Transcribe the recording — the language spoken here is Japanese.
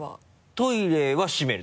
トイレは閉める。